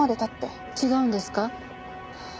違うんですか？